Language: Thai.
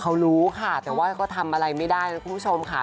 เขารู้ค่ะแต่ว่าก็ทำอะไรไม่ได้นะคุณผู้ชมค่ะ